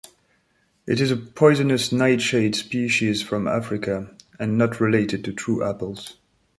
It is a poisonous nightshade species from Africa and not related to true apples.